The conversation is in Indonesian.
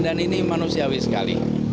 dan ini manusiawi sekali